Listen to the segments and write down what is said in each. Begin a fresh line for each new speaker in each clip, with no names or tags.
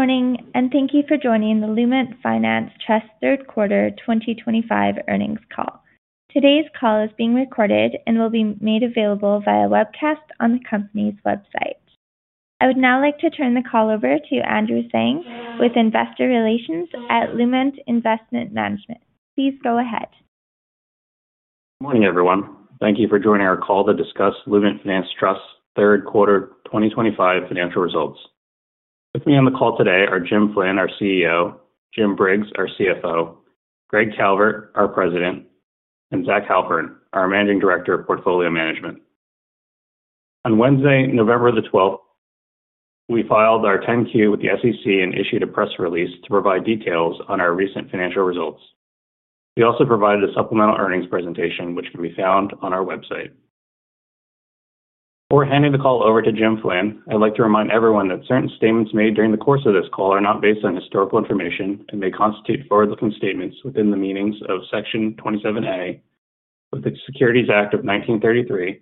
Good morning, and thank you for joining the Lument Finance Trust Third Quarter 2025 Earnings Call. Today's call is being recorded and will be made available via webcast on the company's website. I would now like to turn the call over to Andrew Tsang with Investor Relations at Lument Investment Management. Please go ahead.
Good morning, everyone. Thank you for joining our call to discuss Lument Finance Trust's third quarter 2025 financial results. With me on the call today are Jim Flynn, our CEO, Jim Briggs, our CFO, Greg Calvert, our President, and Zach Halpern, our Managing Director of Portfolio Management. On Wednesday, November the 12th, we filed our 10-Q with the SEC and issued a press release to provide details on our recent financial results. We also provided a supplemental earnings presentation, which can be found on our website. Before handing the call over to Jim Flynn, I'd like to remind everyone that certain statements made during the course of this call are not based on historical information and may constitute forward-looking statements within the meanings of Section 27A of the Securities Act of 1933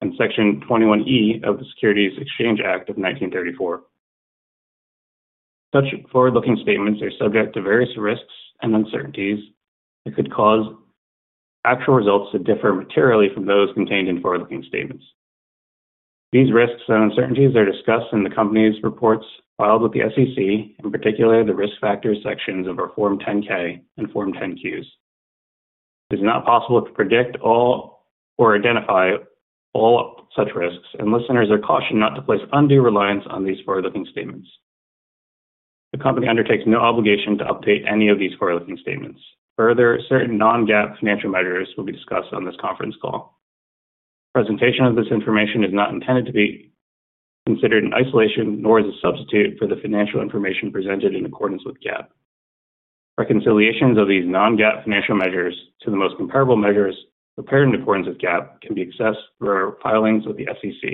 and Section 21E of the Securities Exchange Act of 1934. Such forward-looking statements are subject to various risks and uncertainties that could cause actual results to differ materially from those contained in forward-looking statements. These risks and uncertainties are discussed in the company's reports filed with the SEC, in particular the risk factor sections of our Form 10-K and Form 10-Qs. It is not possible to predict or identify all such risks, and listeners are cautioned not to place undue reliance on these forward-looking statements. The company undertakes no obligation to update any of these forward-looking statements. Further, certain non-GAAP financial measures will be discussed on this conference call. Presentation of this information is not intended to be considered in isolation, nor is a substitute for the financial information presented in accordance with GAAP. Reconciliations of these non-GAAP financial measures to the most comparable measures prepared in accordance with GAAP can be accessed through our filings with the SEC.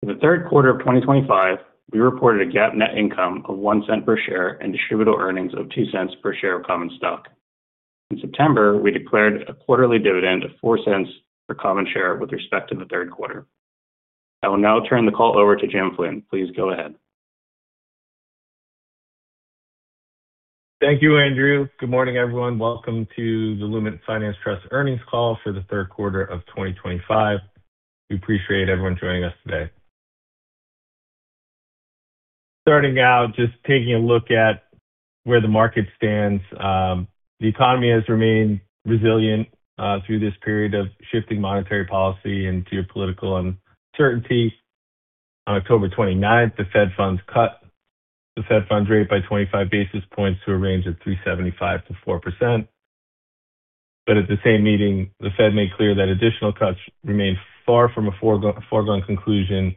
For the third quarter of 2025, we reported a GAAP net income of $0.01 per share and distributable earnings of $0.02 per share of common stock. In September, we declared a quarterly dividend of $0.04 per common share with respect to the third quarter. I will now turn the call over to Jim Flynn. Please go ahead.
Thank you, Andrew. Good morning, everyone. Welcome to the Lument Finance Trust earnings call for the third quarter of 2025. We appreciate everyone joining us today. Starting out, just taking a look at where the market stands, the economy has remained resilient through this period of shifting monetary policy and geopolitical uncertainty. On October 29, the Fed funds cut the Fed funds rate by 25 basis points to a range of 3.75%-4%. At the same meeting, the Fed made clear that additional cuts remain far from a foregone conclusion,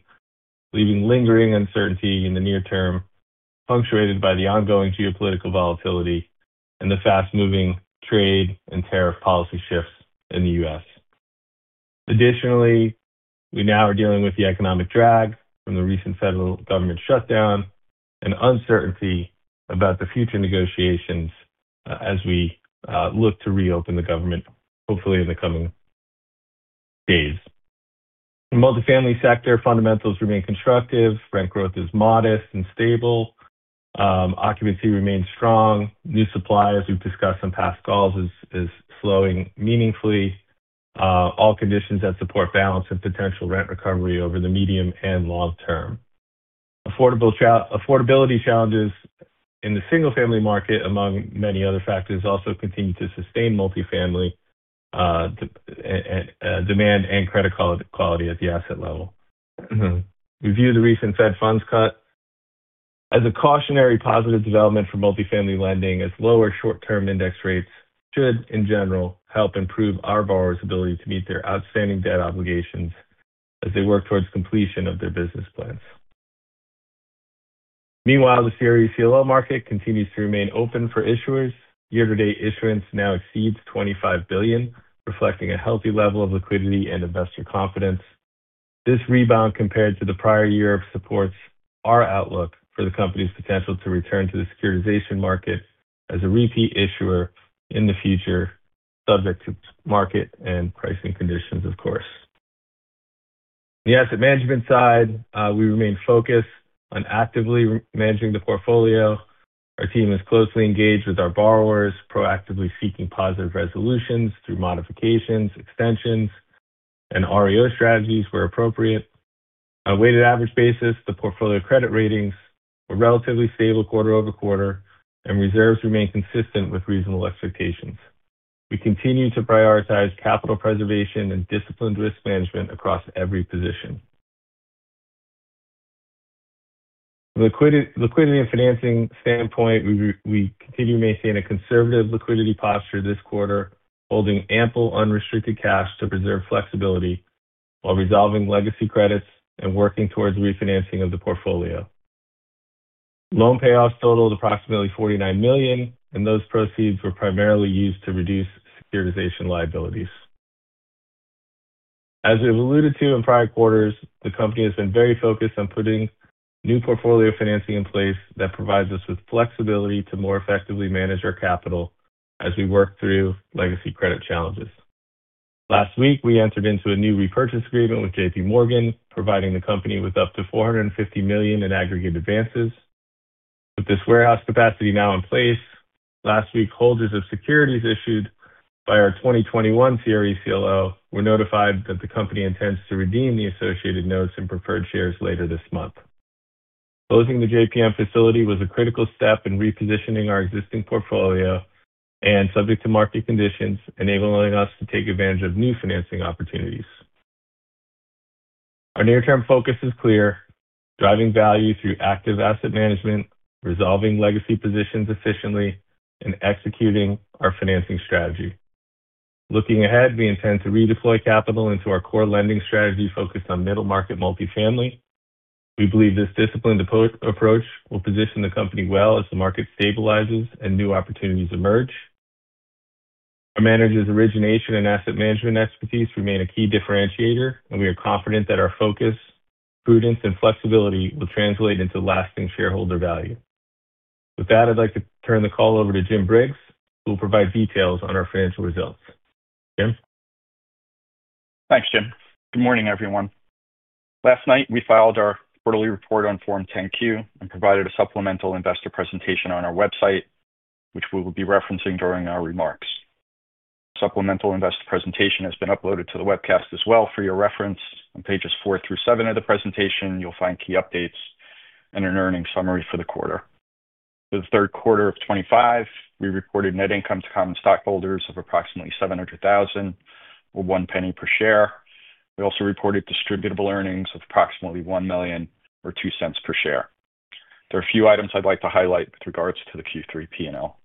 leaving lingering uncertainty in the near term, punctuated by the ongoing geopolitical volatility and the fast-moving trade and tariff policy shifts in the U.S. Additionally, we now are dealing with the economic drag from the recent federal government shutdown and uncertainty about the future negotiations as we look to reopen the government, hopefully in the coming days. In the multifamily sector, fundamentals remain constructive. Rent growth is modest and stable. Occupancy remains strong. New supply, as we've discussed on past calls, is slowing meaningfully. All conditions that support balance and potential rent recovery over the medium and long term. Affordability challenges in the single-family market, among many other factors, also continue to sustain multifamily demand and credit quality at the asset level. Review the recent Fed funds cut. As a cautionary positive development for multifamily lending, as lower short-term index rates should, in general, help improve our borrowers' ability to meet their outstanding debt obligations as they work towards completion of their business plans. Meanwhile, the CRE CLO market continues to remain open for issuers. Year-to-date issuance now exceeds $25 billion, reflecting a healthy level of liquidity and investor confidence. This rebound compared to the prior year supports our outlook for the company's potential to return to the securitization market as a repeat issuer in the future, subject to market and pricing conditions, of course. On the asset management side, we remain focused on actively managing the portfolio. Our team is closely engaged with our borrowers, proactively seeking positive resolutions through modifications, extensions, and REO strategies where appropriate. On a weighted average basis, the portfolio credit ratings are relatively stable quarter over quarter, and reserves remain consistent with reasonable expectations. We continue to prioritize capital preservation and disciplined risk management across every position. From a liquidity and financing standpoint, we continue to maintain a conservative liquidity posture this quarter, holding ample unrestricted cash to preserve flexibility while resolving legacy credits and working towards refinancing of the portfolio. Loan payoffs totaled approximately $49 million, and those proceeds were primarily used to reduce securitization liabilities. As we've alluded to in prior quarters, the company has been very focused on putting new portfolio financing in place that provides us with flexibility to more effectively manage our capital as we work through legacy credit challenges. Last week, we entered into a new repurchase agreement with JPMorgan, providing the company with up to $450 million in aggregate advances. With this warehouse capacity now in place, last week, holders of securities issued by our 2021 CRE CLO were notified that the company intends to redeem the associated notes and preferred shares later this month. Closing the JPM facility was a critical step in repositioning our existing portfolio and subject to market conditions, enabling us to take advantage of new financing opportunities. Our near-term focus is clear, driving value through active asset management, resolving legacy positions efficiently, and executing our financing strategy. Looking ahead, we intend to redeploy capital into our core lending strategy focused on middle-market multifamily. We believe this disciplined approach will position the company well as the market stabilizes and new opportunities emerge. Our manager's origination and asset management expertise remain a key differentiator, and we are confident that our focus, prudence, and flexibility will translate into lasting shareholder value. With that, I'd like to turn the call over to Jim Briggs, who will provide details on our financial results. Jim?
Thanks, Jim. Good morning, everyone. Last night, we filed our quarterly report on Form 10-Q and provided a supplemental investor presentation on our website, which we will be referencing during our remarks. The supplemental investor presentation has been uploaded to the webcast as well for your reference. On pages four through seven of the presentation, you'll find key updates and an earnings summary for the quarter. For the third quarter of 2025, we reported net income to common stockholders of approximately $700,000 or $0.01 per share. We also reported distributable earnings of approximately $1 million or $0.02 per share. There are a few items I'd like to highlight with regards to the Q3 P&L.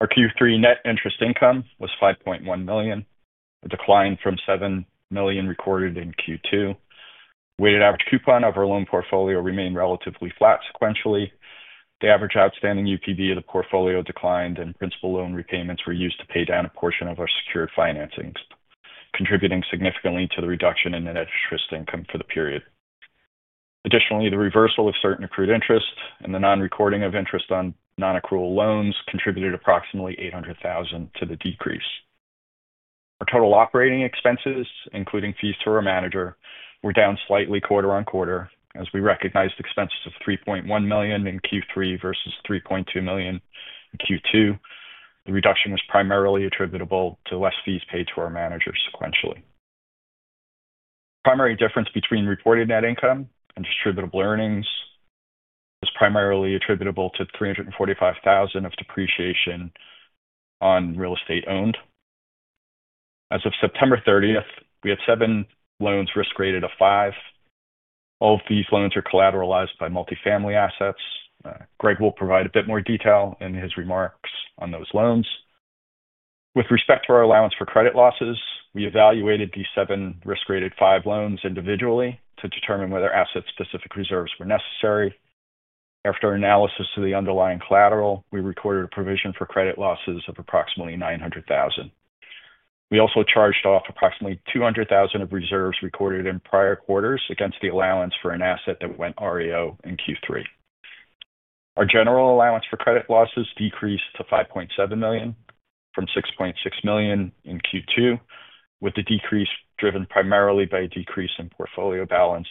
Our Q3 net interest income was $5.1 million, a decline from $7 million recorded in Q2. Weighted average coupon of our loan portfolio remained relatively flat sequentially. The average outstanding UPB of the portfolio declined, and principal loan repayments were used to pay down a portion of our secured financings, contributing significantly to the reduction in net interest income for the period. Additionally, the reversal of certain accrued interest and the non-recording of interest on non-accrual loans contributed approximately $800,000 to the decrease. Our total operating expenses, including fees to our manager, were down slightly quarter on quarter as we recognized expenses of $3.1 million in Q3 versus $3.2 million in Q2. The reduction was primarily attributable to less fees paid to our manager sequentially. The primary difference between reported net income and distributable earnings is primarily attributable to $345,000 of depreciation on real estate owned. As of September 30, we had seven loans risk-rated of five. All of these loans are collateralized by multifamily assets. Greg will provide a bit more detail in his remarks on those loans. With respect to our allowance for credit losses, we evaluated the seven risk-rated five loans individually to determine whether asset-specific reserves were necessary. After analysis of the underlying collateral, we recorded a provision for credit losses of approximately $900,000. We also charged off approximately $200,000 of reserves recorded in prior quarters against the allowance for an asset that went REO in Q3. Our general allowance for credit losses decreased to $5.7 million from $6.6 million in Q2, with the decrease driven primarily by a decrease in portfolio balance,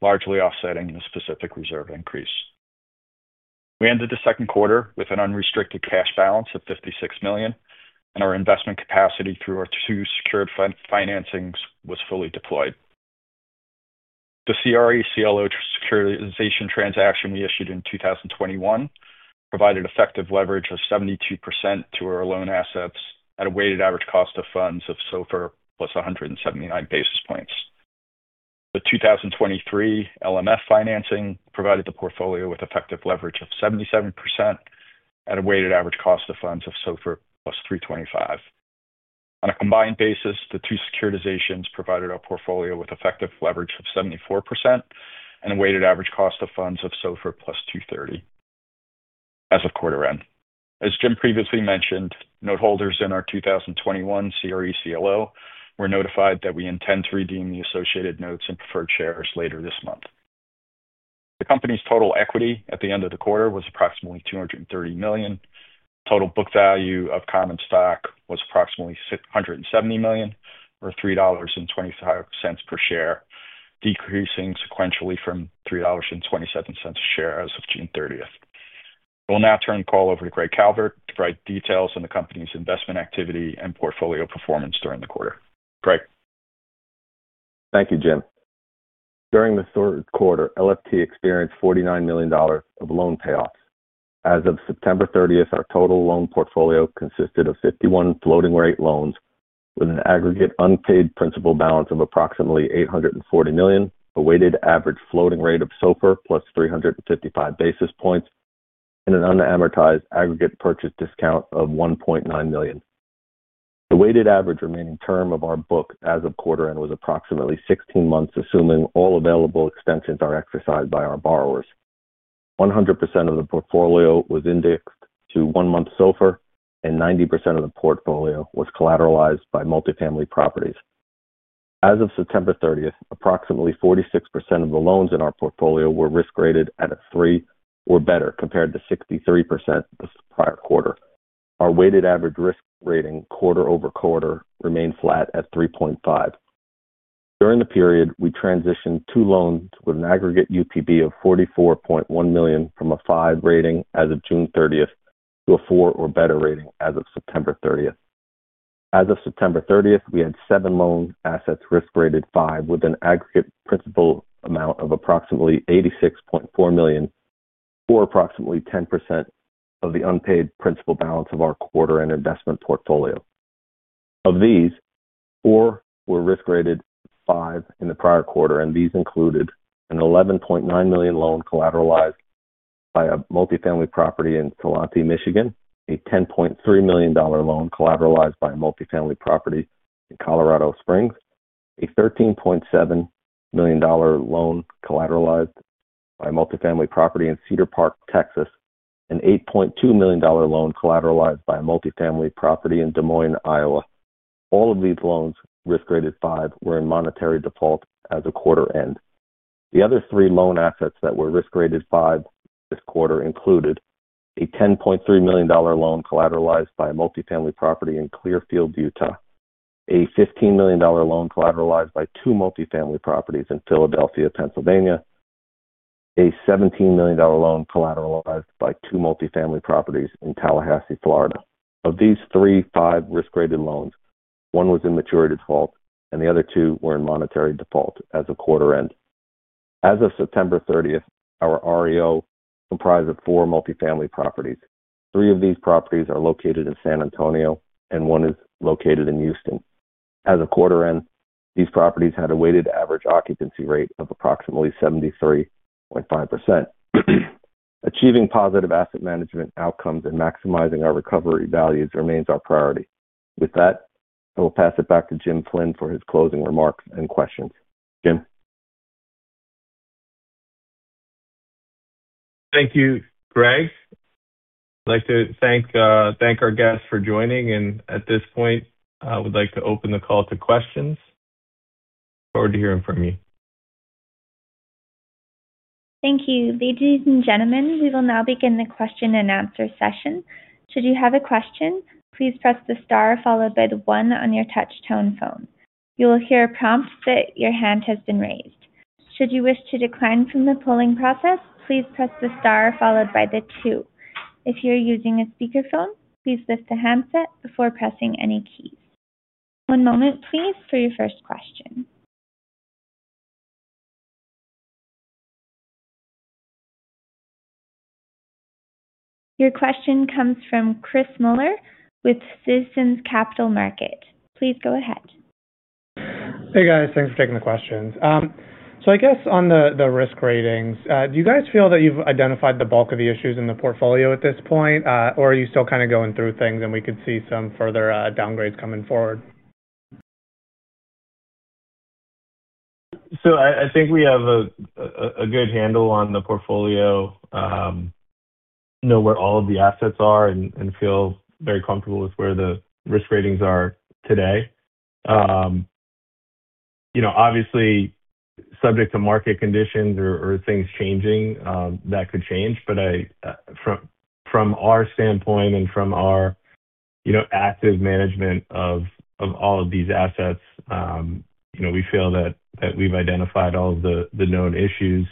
largely offsetting the specific reserve increase. We ended the second quarter with an unrestricted cash balance of $56 million, and our investment capacity through our two secured financings was fully deployed. The CRE CLO securitization transaction we issued in 2021 provided effective leverage of 72% to our loan assets at a weighted average cost of funds of SOFR plus 179 basis points. The 2023 LMF financing provided the portfolio with effective leverage of 77% at a weighted average cost of funds of SOFR plus 325. On a combined basis, the two securitizations provided our portfolio with effective leverage of 74% and a weighted average cost of funds of SOFR plus 230 as of quarter end. As Jim previously mentioned, noteholders in our 2021 CRE CLO were notified that we intend to redeem the associated notes and preferred shares later this month. The company's total equity at the end of the quarter was approximately $230 million. The total book value of common stock was approximately $170 million or $3.25 per share, decreasing sequentially from $3.27 a share as of June 30th. I will now turn the call over to Greg Calvert to provide details on the company's investment activity and portfolio performance during the quarter. Greg.
Thank you, Jim. During the third quarter, LFT experienced $49 million of loan payoffs. As of September 30, our total loan portfolio consisted of 51 floating-rate loans with an aggregate unpaid principal balance of approximately $840 million, a weighted average floating rate of SOFR plus 355 basis points, and an unamortized aggregate purchase discount of $1.9 million. The weighted average remaining term of our book as of quarter end was approximately 16 months, assuming all available extensions are exercised by our borrowers. 100% of the portfolio was indexed to one-month SOFR, and 90% of the portfolio was collateralized by multifamily properties. As of September 30, approximately 46% of the loans in our portfolio were risk-rated at a 3 or better compared to 63% this prior quarter. Our weighted average risk rating quarter over quarter remained flat at 3.5. During the period, we transitioned two loans with an aggregate UPB of $44.1 million from a 5 rating as of June 30th to a 4 or better rating as of September 30th. As of September 30th, we had seven loan assets risk-rated 5 with an aggregate principal amount of approximately $86.4 million or approximately 10% of the unpaid principal balance of our quarter-end investment portfolio. Of these, four were risk-rated 5 in the prior quarter, and these included an $11.9 million loan collateralized by a multifamily property in Saline, Michigan, a $10.3 million loan collateralized by a multifamily property in Colorado Springs, a $13.7 million loan collateralized by a multifamily property in Cedar Park, Texas, and an $8.2 million loan collateralized by a multifamily property in Des Moines, Iowa. All of these loans risk-rated 5 were in monetary default as of quarter end. The other three loan assets that were risk-rated 5 this quarter included a $10.3 million loan collateralized by a multifamily property in Clearfield, Utah, a $15 million loan collateralized by two multifamily properties in Philadelphia, Pennsylvania, and a $17 million loan collateralized by two multifamily properties in Tallahassee, Florida. Of these three 5 risk-rated loans, one was in mature default, and the other two were in monetary default as of quarter end. As of September 30th, our REO comprised of four multifamily properties. Three of these properties are located in San Antonio, and one is located in Houston. As of quarter end, these properties had a weighted average occupancy rate of approximately 73.5%. Achieving positive asset management outcomes and maximizing our recovery values remains our priority. With that, I will pass it back to Jim Flynn for his closing remarks and questions. Jim.
Thank you, Greg. I'd like to thank our guests for joining, and at this point, I would like to open the call to questions. Look forward to hearing from you.
Thank you. Ladies and gentlemen, we will now begin the question-and-answer session. Should you have a question, please press the star followed by the 1 on your touch-tone phone. You will hear a prompt that your hand has been raised. Should you wish to decline from the polling process, please press the star followed by the 2. If you're using a speakerphone, please lift the handset before pressing any keys. One moment, please, for your first question. Your question comes from Chris Muller with Citizens Capital Market. Please go ahead.
Hey, guys. Thanks for taking the questions. I guess on the risk ratings, do you guys feel that you've identified the bulk of the issues in the portfolio at this point, or are you still kind of going through things and we could see some further downgrades coming forward?
I think we have a good handle on the portfolio, know where all of the assets are, and feel very comfortable with where the risk ratings are today. Obviously, subject to market conditions or things changing, that could change. From our standpoint and from our active management of all of these assets, we feel that we've identified all of the known issues.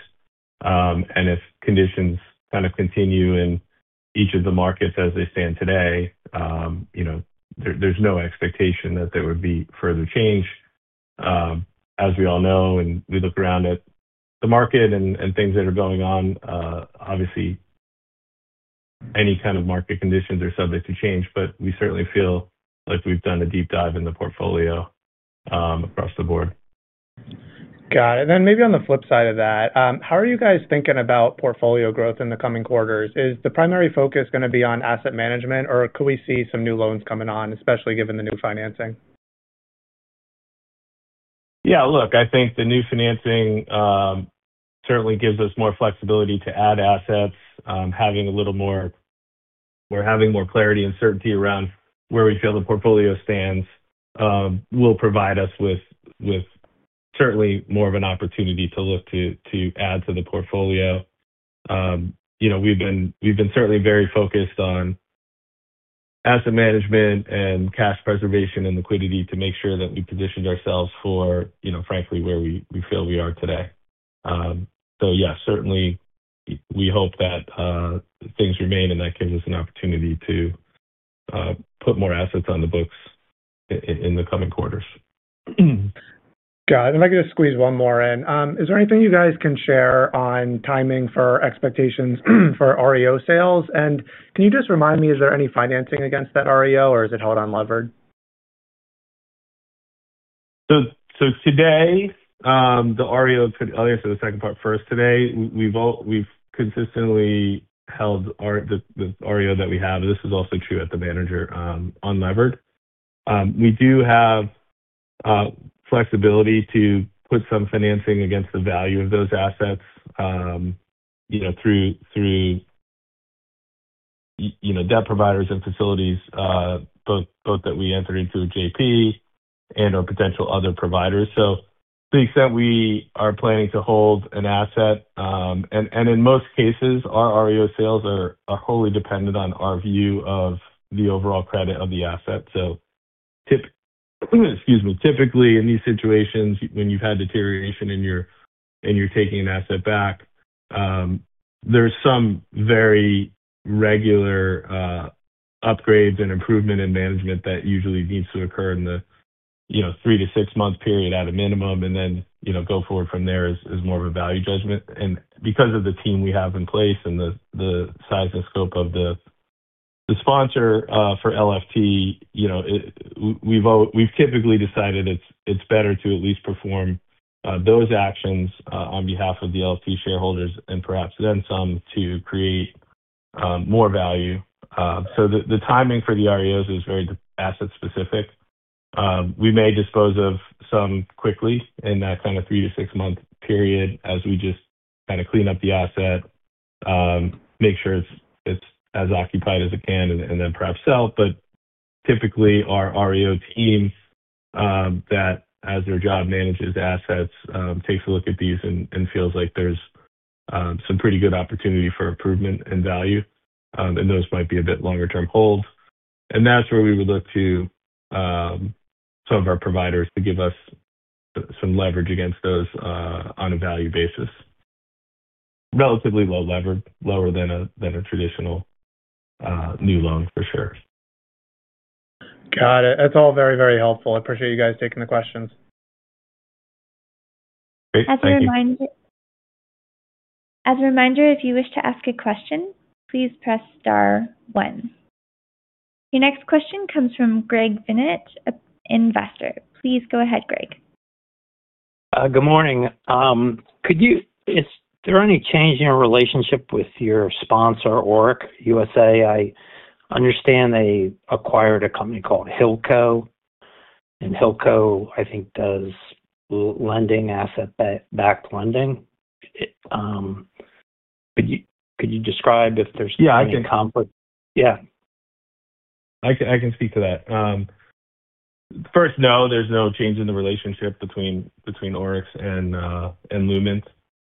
If conditions kind of continue in each of the markets as they stand today, there's no expectation that there would be further change. As we all know, and we look around at the market and things that are going on, obviously, any kind of market conditions are subject to change, but we certainly feel like we've done a deep dive in the portfolio across the board.
Got it. Maybe on the flip side of that, how are you guys thinking about portfolio growth in the coming quarters? Is the primary focus going to be on asset management, or could we see some new loans coming on, especially given the new financing?
Yeah. Look, I think the new financing certainly gives us more flexibility to add assets. Having a little more—we're having more clarity and certainty around where we feel the portfolio stands will provide us with certainly more of an opportunity to look to add to the portfolio. We've been certainly very focused on asset management and cash preservation and liquidity to make sure that we positioned ourselves for, frankly, where we feel we are today. Yeah, certainly, we hope that things remain, and that gives us an opportunity to put more assets on the books in the coming quarters.
Got it. If I could just squeeze one more in, is there anything you guys can share on timing for expectations for REO sales? Can you just remind me, is there any financing against that REO, or is it held on levered?
Today, the REO—I'll answer the second part first. Today, we've consistently held the REO that we have. This is also true at the manager on levered. We do have flexibility to put some financing against the value of those assets through debt providers and facilities, both that we enter into at JP and/or potential other providers. To the extent we are planning to hold an asset, and in most cases, our REO sales are wholly dependent on our view of the overall credit of the asset. Typically, in these situations, when you've had deterioration and you're taking an asset back, there are some very regular upgrades and improvement in management that usually needs to occur in the three- to six-month period at a minimum, and then go forward from there is more of a value judgment. Because of the team we have in place and the size and scope of the sponsor for LFT, we've typically decided it's better to at least perform those actions on behalf of the LFT shareholders and perhaps then some to create more value. The timing for the REOs is very asset-specific. We may dispose of some quickly in that kind of three to six-month period as we just kind of clean up the asset, make sure it's as occupied as it can, and then perhaps sell. Typically, our REO team that, as their job manages assets, takes a look at these and feels like there's some pretty good opportunity for improvement and value, and those might be a bit longer-term holds. That's where we would look to some of our providers to give us some leverage against those on a value basis. Relatively low levered, lower than a traditional new loan, for sure.
Got it. That's all very, very helpful. I appreciate you guys taking the questions.
As a reminder, if you wish to ask a question, please press star one. Your next question comes from Greg Bennett at Investor. Please go ahead, Greg. Good morning. Is there any change in your relationship with your sponsor, ORIX USA? I understand they acquired a company called Hilco, and Hilco, I think, does lending, asset-backed lending. Could you describe if there's any conflict?
Yeah. I can speak to that. First, no, there's no change in the relationship between ORIX and Lument.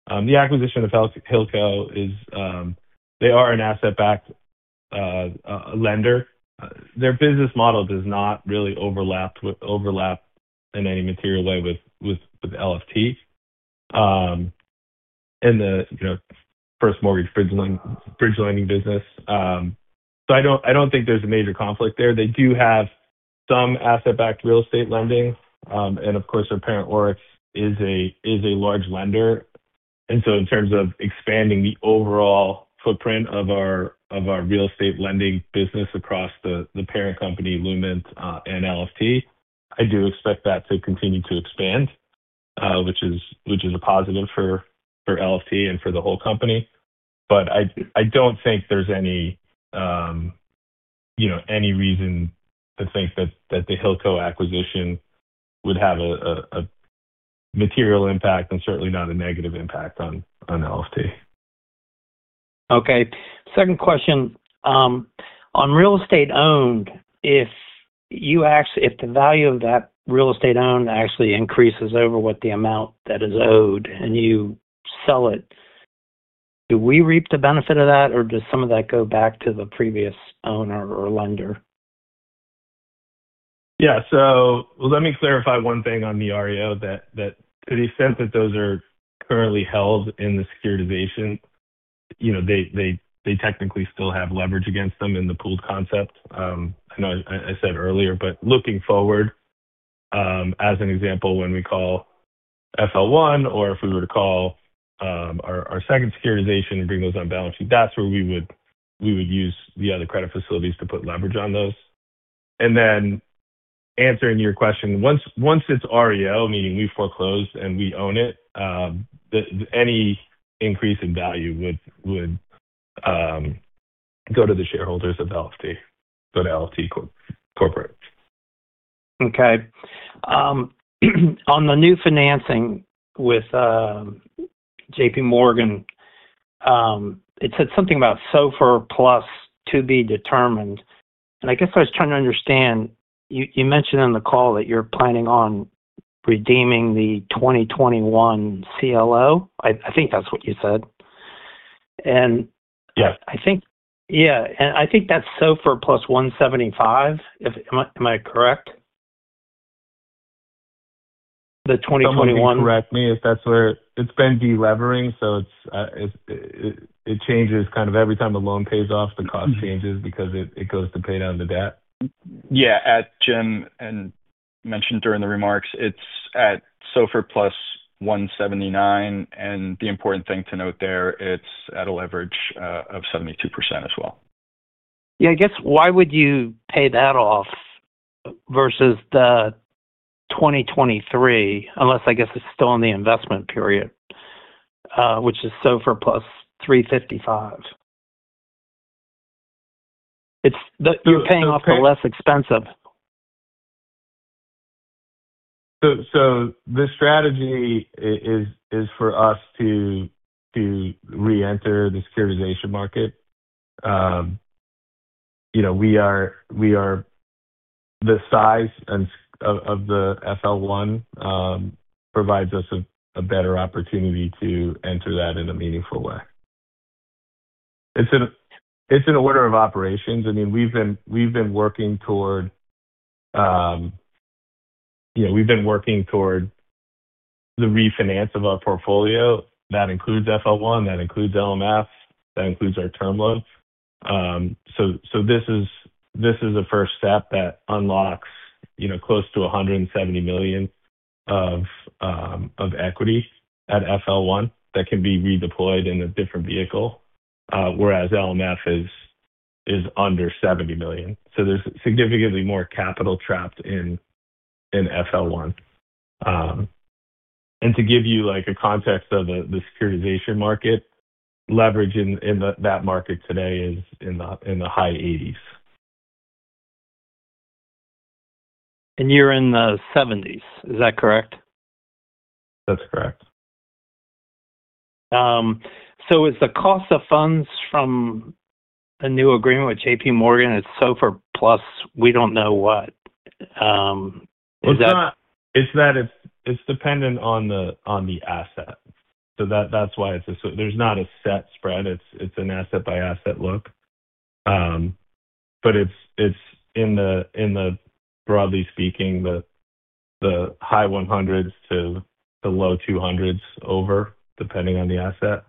The acquisition of Hilco, they are an asset-backed lender. Their business model does not really overlap in any material way with LFT and the first mortgage bridge lending business. I do not think there's a major conflict there. They do have some asset-backed real estate lending, and of course, their parent ORIX is a large lender. In terms of expanding the overall footprint of our real estate lending business across the parent company, Lument, and LFT, I do expect that to continue to expand, which is a positive for LFT and for the whole company. I do not think there's any reason to think that the Hilco acquisition would have a material impact and certainly not a negative impact on LFT. Okay. Second question. On real estate owned, if the value of that real estate owned actually increases over what the amount that is owed and you sell it, do we reap the benefit of that, or does some of that go back to the previous owner or lender? Yeah. Let me clarify one thing on the REO that to the extent that those are currently held in the securitization, they technically still have leverage against them in the pooled concept. I know I said earlier, but looking forward, as an example, when we call FL1 or if we were to call our second securitization and bring those on balance sheet, that is where we would use the other credit facilities to put leverage on those. Answering your question, once it is REO, meaning we foreclosed and we own it, any increase in value would go to the shareholders of LFT, go to LFT corporate. Okay. On the new financing with JPMorgan, it said something about SOFR plus to be determined. I guess I was trying to understand, you mentioned in the call that you're planning on redeeming the 2021 CLO. I think that's what you said. Yes.
Yeah. I think that's SOFR plus 175, am I correct? The 2021.
Correct me if that's where it's been delevering, so it changes kind of every time a loan pays off, the cost changes because it goes to pay down the debt.
Yeah. As Jim mentioned during the remarks, it's at SOFR plus 179, and the important thing to note there, it's at a leverage of 72% as well. Yeah. I guess why would you pay that off versus the 2023, unless I guess it's still in the investment period, which is SOFR plus 355? You're paying off the less expensive.
The strategy is for us to re-enter the securitization market. The size of the FL1 provides us a better opportunity to enter that in a meaningful way. It is an order of operations. I mean, we have been working toward the refinance of our portfolio. That includes FL1, that includes LMF, that includes our term loans. This is a first step that unlocks close to $170 million of equity at FL1 that can be redeployed in a different vehicle, whereas LMF is under $70 million. There is significantly more capital trapped in FL1. To give you a context of the securitization market, leverage in that market today is in the high 80s. You're in the 70s. Is that correct? That's correct. Is the cost of funds from a new agreement with JPMorgan, it's SOFR plus, we don't know what? It's dependent on the asset. That's why there's not a set spread. It's an asset-by-asset look. It's in the, broadly speaking, the high 100s to the low 200s over, depending on the asset.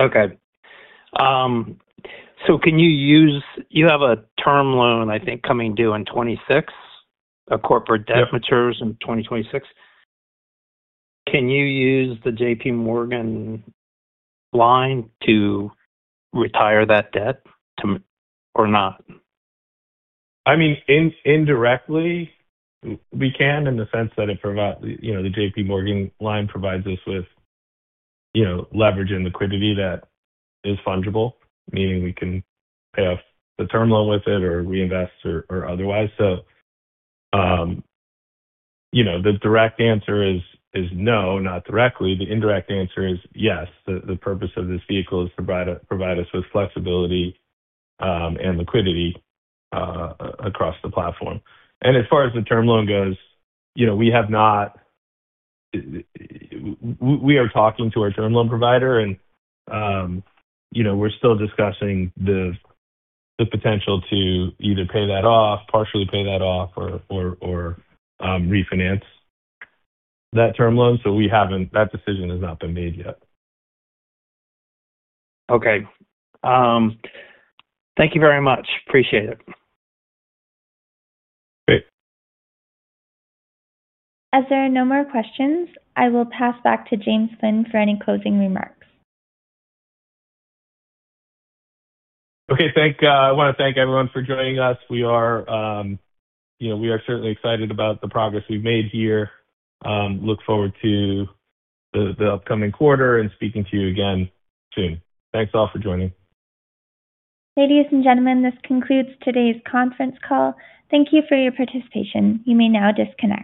Okay. Can you use, you have a term loan, I think, coming due in 2026, a corporate debt matures in 2026. Can you use the JPMorgan line to retire that debt or not? I mean, indirectly, we can in the sense that the J.PMorgan line provides us with leverage and liquidity that is fungible, meaning we can pay off the term loan with it or reinvest or otherwise. The direct answer is no, not directly. The indirect answer is yes. The purpose of this vehicle is to provide us with flexibility and liquidity across the platform. As far as the term loan goes, we are talking to our term loan provider, and we're still discussing the potential to either pay that off, partially pay that off, or refinance that term loan. That decision has not been made yet. Okay. Thank you very much. Appreciate it. Great.
As there are no more questions, I will pass back to James Flynn for any closing remarks.
Okay. I want to thank everyone for joining us. We are certainly excited about the progress we've made here. Look forward to the upcoming quarter and speaking to you again soon. Thanks all for joining.
Ladies and gentlemen, this concludes today's conference call. Thank you for your participation. You may now disconnect.